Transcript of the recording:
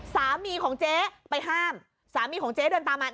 สามีของเจ๊ไปห้ามสามีของเจ๊เดินตามมา